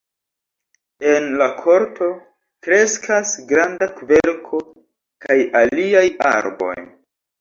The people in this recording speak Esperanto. En la korto kreskas granda kverko kaj aliaj arboj.